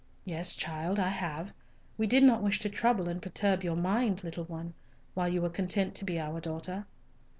"Yes, child, I have. We did not wish to trouble and perturb your mind, little one, while you were content to be our daughter."